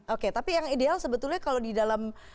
oke tapi yang ideal sebetulnya kalau di dalam